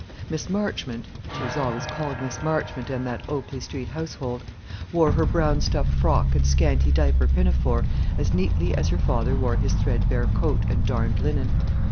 Miss Marchmont she was always called Miss Marchmont in that Oakley Street household wore her brown stuff frock and scanty diaper pinafore as neatly as her father wore his threadbare coat and darned linen.